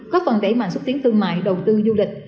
có phần đẩy mạnh xúc tiến thương mại đầu tư du lịch